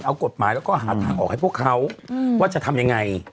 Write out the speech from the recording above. เอากฎหมายแล้วก็หาทางออกให้พวกเขาว่าจะทำยังไง